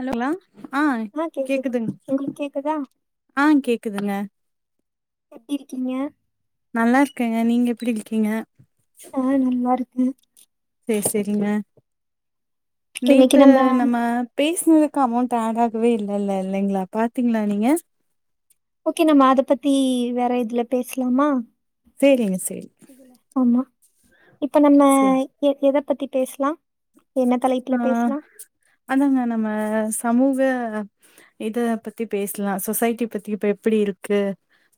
ஹலோங்களா ஆ கேக்குது கேக்குதுங் உங்களுக்கு கேக்குதா ஆ கேக்குதுங்க எப்டிருக்கீங்க நல்லாருக்கேங்க நீங்க எப்டி இருக்கீங்க ஆ நல்லாருக்கே பேசறிங்க நேத்து நம்ம பேசுனதுக்கு அமௌண்ட் ஆட் ஆடாகவே இல்லல்ல இல்லைங்களாப் பாத்தீங்களா நீங்க ஓகே நம்ம அதப் பத்தி வேற இதுலப் பேசலாமா சேரிங்க சேரி ஆமா இப்ப நம்ம சேரி எ எதப் பத்திப் பேஸ்லா ஆ அதாங்க நம்ம சமூக இதப் பத்திப் பேசலா சொசைட்டிப் பத்தி இப்ப எப்டி இருக்கு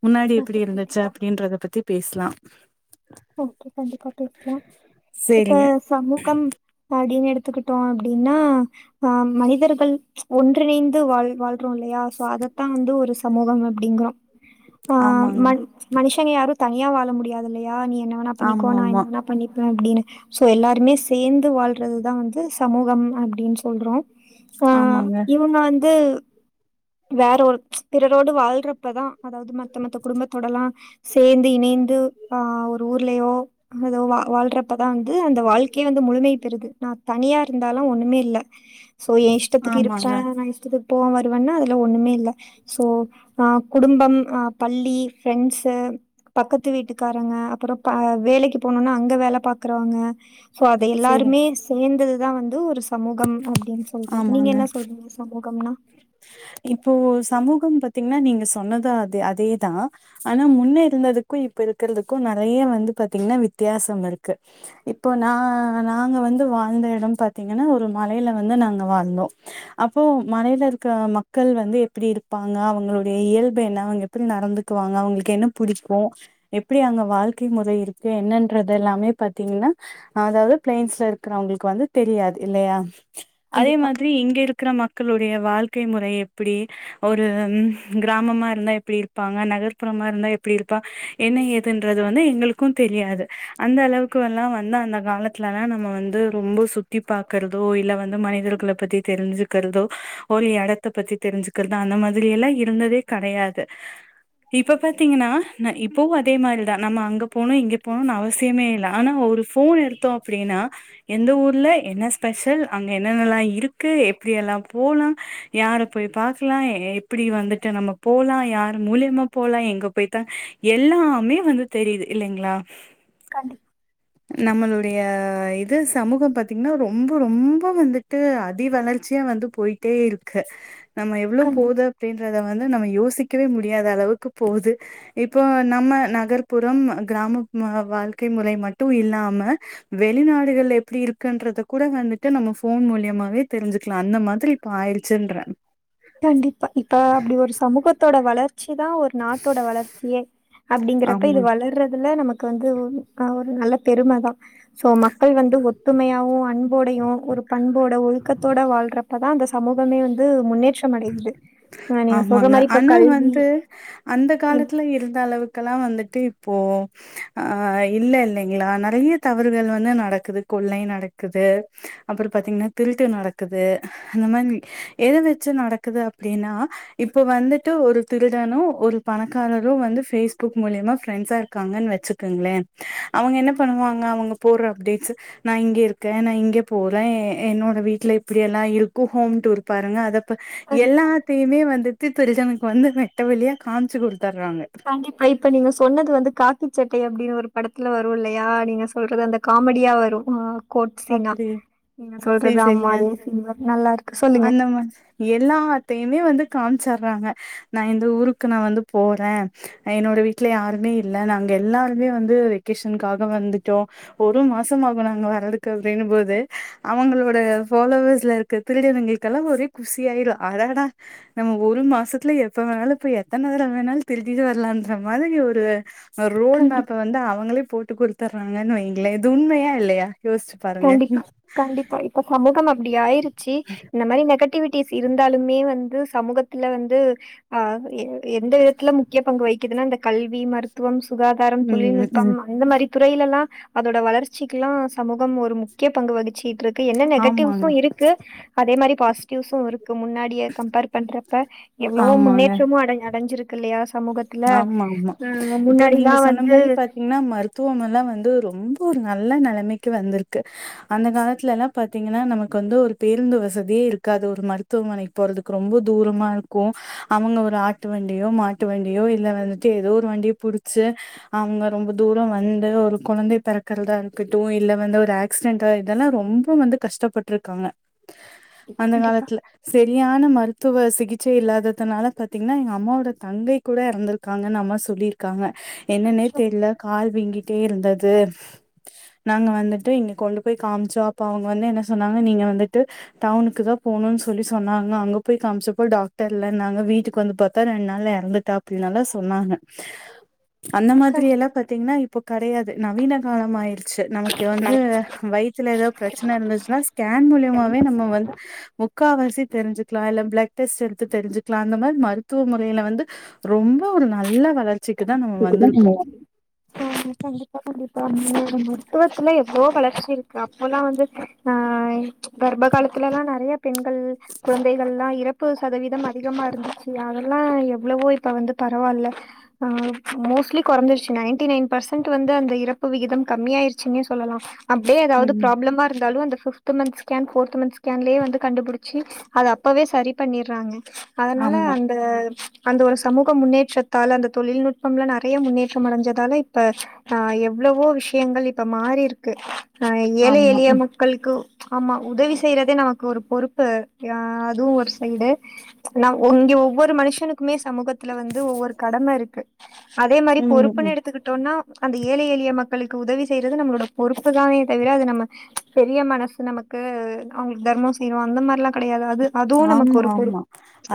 முன்னாடி ஓகே எப்டி இருந்துச்சு கண்டிப்பா அப்டின்றதப் பத்திப் பேசலா ஓகே கண்டிப்பா பேசலா இப்ப சேரிங்க சமூகம் அடின்னு எடுத்துக்கிட்டோ அப்டின்னா ஆ மனிதர்கள் ஒன்றிணைந்து வாழ் வாழ்றோ இல்லையா சோ அதத்தா வந்து ஒரு சமூகம் அப்டிங்கறோ ஆ ஆமாங்க மண் மனுஷங்க யாரு தனியா வாழ முடியாது இல்லையா நீ என்ன வேணாப் பண்ணிக்கோ ஆமா நா ஆமா என்ன வேணாப் பண்ணிப்பே அப்டின்னு சோ எல்லாருமே சேந்து வாழ்றதுதா வந்து சமூகம் அப்டின் சொல்றோ ஆ ஆமாங்க இவுங்க வந்து வேற ஒரு பிறரோடு வாழ்றப்பத அதாவது மத்த மத்தக் குடும்பத்தோடலா சேந்து இணைந்து ஆ ஒரு ஊர்லயோ அத வா வாழ்றப்பதா வந்து அந்த வாழ்க்கையே வந்து முழுமைப் பெறுது நா தனியா இருந்தாலா ஒண்ணுமே இல்ல சோ எ இஷ்டத்துக்கு இருப்பே ஆமாங்க நா இஷ்டத்துக்கு போ வருவன்னா அதுல ஒண்ணுமே இல்ல சோ அ குடும்பம் அ பள்ளி ஃப்ரெண்ட்ஸ் பக்கத்து வீட்டுக் காரங்க அப்பற ப வேலக்கி போனோனா அங்க வேல பாக்றவங்க சோ அத சேரி எல்லாருமே சே சேந்தது தா வந்து ஒரு சமூகம் அப்டின் சொல்றோ ஆமாங்க நீங்க என்ன சொல்றீங்க சமூகம்னா இப்போ சமூகம் பத்தீங்ன்னா நீங்க சொன்னது அது அதே தா ஆனா முன்ன இருந்ததுக்கு இப்ப இருக்கிறதுக்கு நெறைய வந்து பாத்தீங்ன்னா வித்தியாசம் இருக்கு இப்ப நா நாங்க வந்து வாழ்ந்த எடம் பாத்தீங்கன்னா ஒரு மலையில வந்து நாங்க வாழ்ந்தோ அப்போ மலையில இருக்ற மக்கள் வந்து எப்டி இருப்பாங்க அவங்களுடைய இயல்பு என்னா அவுங்க எப்டி நடந்துக்குவாங்க அவங்ளுக்கு என்னப் புடிக்கு எப்டி அவங்க வாழ்க்கை முறை இருக்கு என்னன்றதெல்லாமே பாத்தீங்ன்னா அது அது பிளைன்ஸ்ல இருக்கறவங்ளுக்கு வந்து தெரியாது இல்லயா அதே கண்டிப்பா மாதிரி இங்க இருக்குற ம க்களுடைய வாழ்க்கை முறை எப்டி ஒரு கிராமமா இருந்தா எப்டி இருப்பாங்க நகர்ப்புறமா இருந்தா எப்டி இருப்பா என்ன ஏதுன்றது வந்து எங்களுக்கு தெரியாது அந்த அளவுக்குல்லா வந்து அந்த கால த்துலலா நம்ம வந்து ரொம்போ சுத்தி பாக்குறதோ இல்ல வந்து மனிதர்கள பத்தி தெரிஞ்சுக் க்கிறதோ ஒரு எடத்தப் பத்தித் தெரிஞ்சுக்றது அந்த மாதிரி எல்லா இருந்ததேக் கெடையாது இப்பப் பாத்தீங்கன்னா ந இப்பவு அதே மாரிதா நம்ம அங்கப் போணு இங்கப் போணுன்னு அவசியமே இல்ல ஆனா ஒரு ஃபோன் எடுத்தோ அப்டின்னா எந்த ஊர்ல என்ன ஸ்பெஷல் அங்க என்னென்னல்லா இருக்கு எப் எப்டியெல்லா போலா யாரப் போய் பாக்லா எப்டி வந்துட்டு நம்மப் போலா யார் மூல்யமாப் போலா எங்கப் போய் தங் எல்லாமே வந்து தெரிது இல்லேங்ளா கண்டிப் நம்மளுடைய இது சமூகம் பாத்தீங்ன்னா ரொம்போ ரொம்போ வந்துட்டு அதி வளர் ச்சியா வந்து போயிட்டே இருக்கு நம்ம எவ்ளோ கண்டி போது அப்டின்றத வந்து நம்ம யோசிக்கவே முடியாத அளவுக்கு போது இப்போ நம்ம நகர்ப்புறம் கிராம மு வாழ்க்கை முறை மட்டு இல்லாம வெளிநாடுகள்ல எப்டி இருக்கன்றதக் கூட வந்துட்டு நம்ம ஃபோன் மூலியமாவே தெரிஞ் க்லா அந்த மாதிரி இப்ப ஆயிருச்சுன்றே கண்டிப்பா இப்ப அப்டி ஒரு சமூகத்தோட வளர் ச்சிதா ஒரு நாட்டோட வளர்ச்சியே அப்டிங்கறப்ப இது ஆமா வளர்றதுல நமக் க்கு வந்து அ ஒரு நல்ல பெரும தா சோ மக்கள் வந்து ஒத்துமையாவு அன்போடையு ஒரு பண்போட ஒழுக்கத்தோட வாழ்ற ப்பதா அந்த சமூகமே வந்து முன்னேற்ற ஆமாங்க ஆனா கல்வி வந்து அந்த ம் காலத்துல இருந்த அளவு க்கலா வந்துட்டு இப்போ ஆ இல்ல இல்லேங்ளா நறைய தவறுகள் வந்து நடக்குது கொள்ளை நடக்குது அப்புற பாத்தீங்ன்னா திருட்டு நடக்குது அந்த மாதிரி எத வச்சு நடக்குது அப்டின்னா இப்போ வந்துட்டு ஒரு திருடனு ஒரு பணக்காரரு வந்து ஃபேஸ்புக் மூலியமா ஃப்ரெண்ட்ஸா இருக்காங்கன் வச்சுக் குங்களே அவங்க என்ன பண்ணுவாங்க அவங்க போடுற அப்டேட்ஸ் நா இங்க இருக்கே நா இங்கே போறே என்னோட வீட்ல இப்டி எல்லா இருக்கூ ஹோம் டூர் பாருங்க அத இப்ப கண்டிப்பா, எல்லாத்தையுமே வந்துட்டு திருச்சனுக்கு வந்து வெட்ட வெழியா காம்ச்சு குடுத்தர்றாங்க கண்டிப்பா இப்ப நீங்க சொன்னது வந்து காக்கிச் சட்டை அப்டின் ஒரு படத்துல வரு இல்லையா நீங்க சொல்றது அந்த காமெடியா வரு ஆ கோட் சீனா அப்டி நீங்க சேரி சொல்றது சேரிங்க ஆமா அதே சீன் தா நல்லா இருக்கு சொல்லுங்க அந்த மாதிரி எல்லாத்தையுமே வந்து காம்ச்சறாங்க நா இந்த ஊருக்கு நா வந்து போறே என்னோட வீட்டுல யாருமே இல்ல நாங்க எல்லாருமே வந்து வெக் கேஷன்காக வந்துட்டோ ஒரு மாசமாகும் நாங்க வரதுக்கே அப்டினும் போது அவங்களோட ஃபாலோவர்ஸ்ல இருக்க திருடனங்களுக்கெல்லா ஒரே குசியாயிரும் ஆடாடா நம்ம ஒரு மாசத்ல எப்ப வேணாலு போய் எத்தன தரவ வேணாலு திருடிட்டு வரலான்ற மாதிரி ஒரு ரோட் கண்டிப்பா. மேப்ப வந்து அவங்களே போட்டு குடுத்துர்றாங்கன் வைங்களே இது உண்மையா இல்லையா யோசிச் கண்டிப்பா கண்டிப்பா இப்ப சமூகம் அப்டி ஆயிருச்சி இந்த மாரி நெகட்டிவிட் டிஸ் இருந்தாலுமே வந்து சமூகத்துல வந்து ஆ எ எ எந்த விதத்துல முக்கிய பங்கு வகி கிதுனா இந்த கல்வி மருத்துவம் சுகாதாரம் ம் ம் தொழில்நுட்பம் ம் அந்த மாரி துறையிலல்லா அதோட வளர்ச்சிக்குலா சமூகம் ஒரு முக்கிய பங்கு வகிச்சிட்டு இருக் க்கு என்ன ஆமாங்க நெகட்டிவ்ஸும் இருக்கு அதே மாரி பாசிட்டிவ்ஸும் இருக்கு முன்னாடி டிய கம்பேர் பண்றப்ப எவ்ளவோ ஆமாங்க முன்னேற்றமும் அட அடைஞ்சிருக்குல்லையா சமூகத் துல ஆமா முன்னாடியல்லா வந்து ன்னா மருத்துவம் எல்லா வந்து ரொம்ப ஒரு நல்ல நெலமைக்கு வந்திருக்கு அந்த காலத்துல எல்லா பாத்தீங்கன்னா நமக்கு வந்து ஒரு பேருந்து வசதியே இருக்காது ஒரு மருத் துவமனைக்கு போறதுக் ரொம்ப தூரமா இருக்கும் அவங்க ஒரு ஆட்டு வண்டியோ மாட்டு வண்டி டியோ இல்ல வந்துட்டு ஏதோ ஒரு வண்டிய புடிச்சு அவுங்க ரொம்ப தூரோ வந்து ஒரு கொழந்தை பெறக்றதா இருக்கட்டும் இல்ல வந்து ஒரு ஆக் சிடென்ட் இதெல்லா ரொம்ப வந்து கஷ்டப்பட்ருக்காங்க அந்த கண்டிப்பா காலத்துல செரியான மருத்துவ சிகிச்சை இல்லாததுனால பாத்தீங்ன்னா எங்க அம்மாவோட தங்கை கூட எறந்திர்க்காங்கன் அம்மா சொல்லியிருக்காங்க என்னன்னே தெர்ல கால் வீங்கிட்டே இருந்தது நாங்க வந்துட்டு இங்க கொண்டு போய் காம்ச்சோ அப்ப அவங்க வந்து என்ன சொன்னாங்க நீங்க வந்துட்டு டவுனுக்கு தா போனுனு சொல்லி சொன்னாங்க அங்க போய் காம்ச்சப்ப டாக்டர் இல்லனாங்க வீட்டுக்கு வந்து பா இப்ப ரெண்டு நாள்ல எறந்துட்டா அப்டின்னல்லா சொன்னாங்க அந்த மாதிரி எல்லா பத்தீங்ன்னா இப் இப்போ கடையாது நவீன காலம் ஆயிரு சு நமக்கு வந்து கண்டிப்பா வயித்ல ஏதா பிரச்சன இருந்துச்சுன்னா ஸ்கேன் மூலயமாவே நம்ப வந்து முக்காவாசி தெரிஞ்சுக்லா இல்ல பிளட் டெஸ்ட் எடுத்து தெரிஞ்சுக்லா அந்த மாரி மருத்துவ முறையில வந்து ரொம்ப ஒரு நல்ல வளர் சிக்கு தானோ [unintelligible] ஆ கண்டிப்பா கண்டிப்பா மருத்துவத்துல எவ்ளோ வளர்ச்சி இருக்கு அப்பல்லா வந்து ஆ கர்ப காலத்துலல்லா நறைய பெண்கள் கொழந்தைகள்லா இறப்பு சதவீதம் அதிகமா இருந்துச்சு அதெல்லா எவ்ளவோ இப்ப வந்து பரவால்ல ஆ மோஸ்ட்லி கொறைஞ்சிருச்சு நையன்டி நைன் பர்சன்ட்டு வந்து அந்த இறப்பு விகிதம் கம்மியாயிருச்சுனே சொல்லலாம் அப்டியே ஏதாது ம். ப்ராப்ளமா இருந்தாலு அந்த two month scan fourth month ஸ்கேன்லயே வந்து கண்டுபுடிச்சி அத அப்பவே சரி பண்ணிறாங்க அதனால ஆமா, அந்த அந்த ஒரு சமூக முன்னேற்றத்தால அந்த தொழில்நுட் பம்ல நெறைய முன்னேற்றம் அடஞ்சதால இப்ப ஆ எவ்ளவோ விஷயங்கள் இப்ப மாறிருக்கு அ ஏழை ஆமா. எழிய ம், மக் களுக்கு ஆமா உதவி செய்றதே நமக்கு ஒரு பொறுப்பு யா அதுவு ஒரு சைடு நா இங்க ஒவ்வொரு மனுஷனுக்குமே சமூகத்துல வந்து ஒவ்வொரு கடமருக்கு அதே மாரி ம், பொறுப்புன் ம். எடுத் த்துக்கிட்டோனா அந்த ஏழை எளிய மக்களுக்கு உதவி செய்றது நம்ளோட பொறுப்பு தானே தவிர அத நம்ம பெரிய மனசு நமக்கு அவங்களுக் தர்மம் செய்றோ அந்த மாரில்லாம் கெடையாது அது அதுவு நமக்கு ஆமா ஒரு ஆமா பொறுப்பு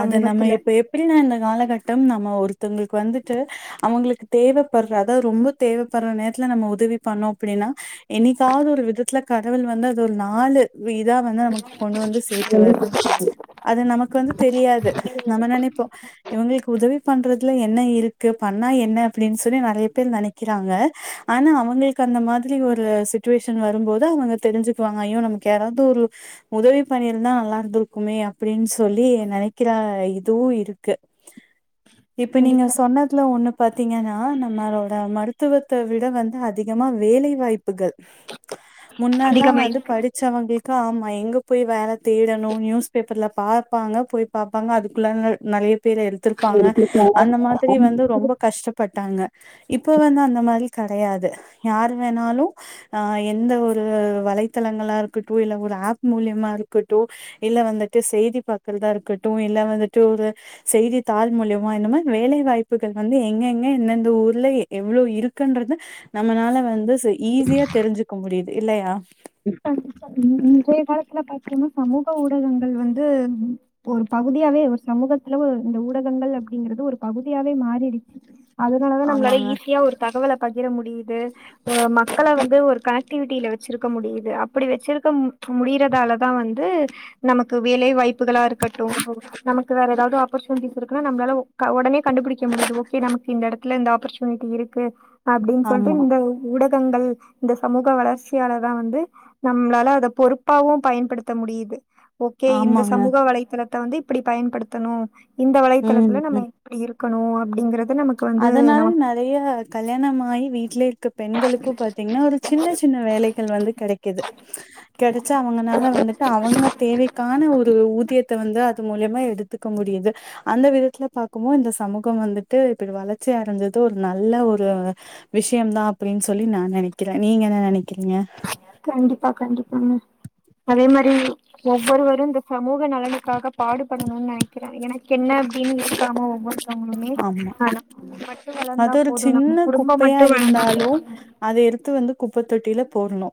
அத நம்ம இப்ப எப் பிடின்னா இந்த காலகட்டம் நம்ம ஒருத்தங்களுக்கு வந்துட்டு அவங்களுக்கு தேவப்படுற அதாது ரொம்ப தேவப்படுற நேரத்துல நம்ம உதவி பண்ணோ அப்டின்னா என்னிக்காது ஒரு விதத்துல கடவுள் வந்து அது ஒரு நாலு விதா வந்து நமக் கொண்டு வந்து சேத்துவாரு அது நமக்கு வந்து தெரியாது நம்ம நெனைப்போம் இவங்கள்க்கு உதவி பண்றதுல என்ன இருக்கு பண்ணா என்ன அப்டின் சொல்லி நெறைய பேர் நனைக் கிறாங்க ஆனா அவங்களுக்கு அந்த மாத்ரி ஒரு சுச்சுவேஷன் வரும்போது அவங்க தெரிஞ்சு போனா ஐயோ நமக்கு யாராவ்து ஒரு உதவி பண்ணிருந்தா நல்லா இருந்துர் க்குமே அப்டின் சொல்லி நனைக்கிற எதுவும் இருக்கு இப்ப நீங்க கண்டிப்பா சொன்னதுல ஒண்ணு பாத்தீங்கன்னா நம்மளோட மருத்துவத்த விட வந்து அதிகமா வேலை வாய்ப்புகள் முன்னெல்லாம் வந்து அதிகமாயிருக்கு படிச்சவங்களுக்கு ஆமா எங்க போய் வேல தேடனும் நியூஸ் பேப்பர்ல பாப்பாங்க போய் பாப்பாங்க அதுக்குள்ள நறைய பேர் எடு துருப்பாங்க அந்த மாதிரி இருக்காங்க வந்து ரொம்ப கஷ்சப் பட்டாங்க இப்ப வந்து அந்த மாரி கடையாது யார் வேணாலும் ஆ எந்த ஒரு வலைத்தளங்களா இருக்கட்டும் இல்ல ஒரு ஆப் மூலியமா இருக்கட்டும் இல்ல வந்துட்டு செய்தி பாக்றதா இருக்கட்டும் இல்ல வந்துட்டு ஒரு செய்தி தாள் மூலியமா இனும வேலை வாய்ப்புகள் வந்து எங்க எங்க எந்தெந்த ஊர்ள எவ்ளோ இருக்குன்றது நம்மளால வந்து செ ஈஸியா தெரிஞ்சுக்க முடியுது இல்லையா இன்றைய காலத்துல பாத்திகன்னா சமூக ஊடகங்கள் வந்து ஒரு பகுதியாவே ஒரு சமூகத்துல இந்த ஊடகங்கள் அப்படிங்கறது ஒரு பகுதியாவே மாறிடுச்சு அதனாலதா நம்ளால ஆமாங்க ஈஸியா ஒரு தகவல பகிர முடியுது மக்கள வந்து ஒரு கனெக்டிவிட்டில வச்சிருக் க்க முடியிது அப்படி வச்சிருக்க முடிறதாலதான் வந்து நமக்கு வேலை வாய்ப்புகளா இருக்கட்டும் நமக்கு வேற எதாது ஆப்பர்ச்சுனிட்டிஸ் இருக்குன்னா நப்ளால உக் ஒடனே கண்டுபுடிக்க முடியுது ஓகே நமக்கு இந்த எடத்துல இந்த ஆப்பர்சு னிட்டி இருக்கு அப்டின் சொல்ட்டு ஆமா இந்த ஊடகங்கள் இந்த சமூக வளர்ச்சியாளர் தா வந்து நம்ளால அத பொறுப்பாவு பயன்படுத்த முடியிது ஓகே இந்த ஆமாங்க சமூக வலைத்தளத்த வந்து இப்டி பயன்படுத்தணும் இந்த ம் வலைத்தளத்துல நம்ம ம் அப்டி இருக்கணு அப்டிங்கற அதனால நெறைய கல்யாண ஆயி வீட்ல இருக்க பெண்களுக்கு பாத்தீங்கன்னா ஒரு சின்ன சின்ன வேலைக்கு வந்து கிடைக்குது கிடச்சா அவங்கனால வந்துட்டு அவங்க தேவைக்கான ஒரு ஊதியத்த வந்து அது மூலியமா எடுத்துக்க முடியுது அந்த விதத்துல பாக்கும் போது இந்த சமூகம் வந்து விட்டு இப்டி வளர்ச்சி அடஞ்சது ஒரு நல்ல ஒரு விஷயம்தா அப்டின்னு சொல்லி நா நினைக்கிற நீங்க என்ன நினைக்கிறீங்க கண்டிப்பா கண்டிப்பாங்க அதே மாதிரி ஒவ்வொருவரு இந்த சமூக நலனுக்காக பாடுபடணும்னு நினைக்கிறாங்க எனக்கு என்ன அப்டின்னு இருக்காம ஒங்க ஆமா வளர்ந்தா அது ஒரு போதும் நம்ம சின்ன குடும்பம் குப்பயா மட்டும் வளர்ந்தா இருந்தாலு போதும் அத எடுத்து வந்து குப்பத்தொட்டில போடணு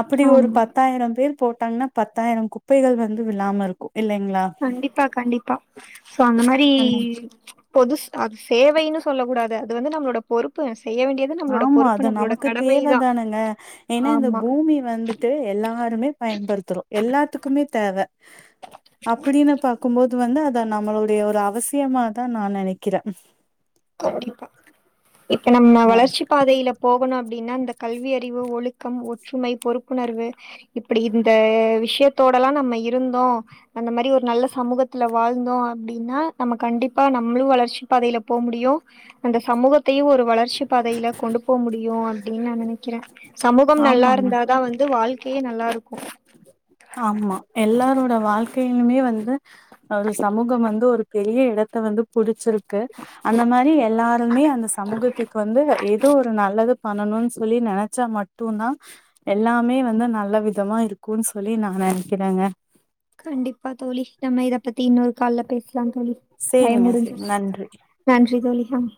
அப்டி ஒரு ஆமா. பத்து பத்தாயிர பேர் போட்டாங்கன்னா பத்தாயிர பேர் போட்டாங்க ன பத்தாயிர குப்பைகள் வந்து வில்லாம இருக்கும் இல்லங்களா கண்டிப்பா கண்டிப்பா சோ அந்த மாரி அந்த பொது ஸ்டாக்ஸ் சேவைன்னு சொல்ல கூடாது அது வந்து நம்மளோட பொறுப்பு செய்ய வேண்டிய ஆமா அது நமக்கு தேவதானங்க ஏன்னா இந்த ஆமா பூமி வந்து ட்டு எல்லாருமே பயன்படுத்துறோ எல்லாத்துக்குமே தேவ அப்டின்னு பாக்கும்போது இது வந்து அத நம்மளுடைய ஒரு அவசியமாதா நா நினைக்கிற கண்டிப்பா இப்ப நம்ம ஆ வளர்ச்சி பாதையில போகணு அப்டின்னா இந்த கல்வியறிவு ஒழுக்கம் ஒற்றுமை பொறுப்புணர்வு இப்டி இந்த விஷயத்தோடல்லா நம்ம இருந்தோ அந்த மாதிரி ஒரு நல்ல சமூகத்துல வாழ்ந்தோ அப்டின்னா நம்ம கண்டிப்பா நம்மளு வளர்ச்சி பாதையில போ முடியு அந்த சமூகத்தையு ஒரு வளர்ச்சி பாதையில கொண்டு போக முடியு அப்டின்னு நா நினைக்கிற சமூகம் நல்லா ஆமாங்க இருந்தா தா வந்து வாழ்க்கையே நல்லா இருக்கும் ஆமா எல்லாரோட வாழ்க்கையிலுமே வந்து ஒரு சமூகம் வந்து ஒரு பெரிய இடத்த வந்து புடிச்சிருக்கு அந்த மாதிரி எல்லாருமே அந்த சமூகத்துக்கு வந்து ஏதோ ஒரு நல்லது பண்ணணும்னு சொல்லி நினைச்சா மட்டு மட்டு தா எல்லாமே வந்து நல்ல விதமா இருக்கும்ன்னு சொல்லி நா நினைக்கிறங்க கண்டிப்பா தோழி நம்ம இத பத்தி இன்னொரு கால பேசலா தோழி டைம் சேரிங்க சேரி முடிஞ்சுச்சு நன்றி நன்றி தோழிகம்